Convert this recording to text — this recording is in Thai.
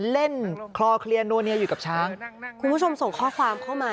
เล่นคลอเคลียร์นัวเนียอยู่กับช้างคุณผู้ชมส่งข้อความเข้ามา